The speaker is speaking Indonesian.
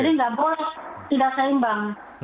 jadi tidak boleh tidak seimbang